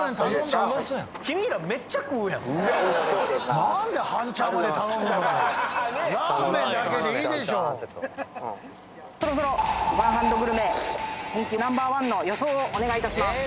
チャーハンセットそろそろワンハンドグルメ人気ナンバー１の予想をお願いいたします